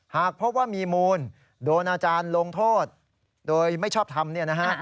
หากพบว่ามีมูลโดนอาจารย์ลงโทษโดยไม่ชอบทำเนี่ยนะฮะ